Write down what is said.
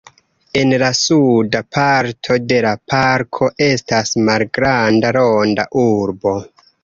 En la suda parto de la parko estas malgranda Ronda Urbo.